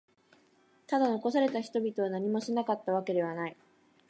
ただ、残された人々は何もしなかったわけではない。